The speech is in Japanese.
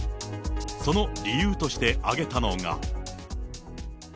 その理由として挙げたのが。